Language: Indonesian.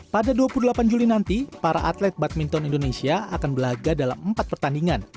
pada dua puluh delapan juli nanti para atlet badminton indonesia akan berlaga dalam empat pertandingan